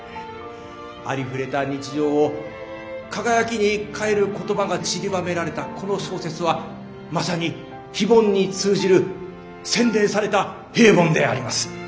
ありふれた日常を輝きに変える言葉がちりばめられたこの小説はまさに非凡に通じる洗練された平凡であります。